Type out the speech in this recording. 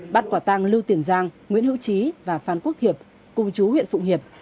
bắt quả tang lưu tiền giang nguyễn hữu trí và phan quốc hiệp cùng chú huyện phụng hiệp